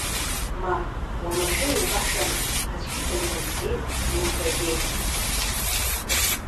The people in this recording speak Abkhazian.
Мап, уамашәа иубаша, аӡәгьы дымӷызӡеит, дмыҳәҳәаӡеит.